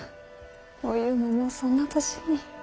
おゆうももうそんな年に。